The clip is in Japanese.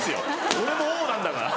俺もおぉなんだから。